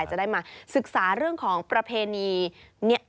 จะได้มาศึกษาเรื่องของประเพณี